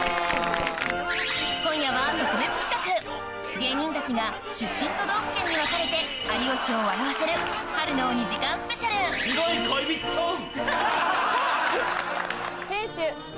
今夜は特別企画芸人たちが出身都道府県に分かれて有吉を笑わせる春の２時間ＳＰ白いコイビトゥ！